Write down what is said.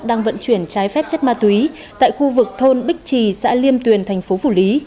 đang vận chuyển trái phép chất ma túy tại khu vực thôn bích trì xã liêm tuyền thành phố phủ lý